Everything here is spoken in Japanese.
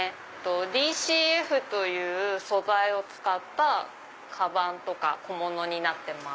ＤＣＦという素材を使ったカバンとか小物になってます。